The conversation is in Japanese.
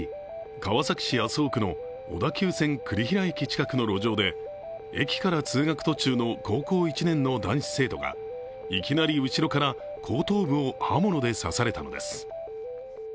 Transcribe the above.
川崎市麻生区の小田急線栗平駅近くの路上で駅から通学途中の高校１年の男子生徒がいきなり後ろから後頭部を刃物で刺されたのです。